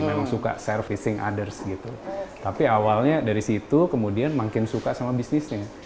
memang suka servicing others gitu tapi awalnya dari situ kemudian makin suka sama bisnisnya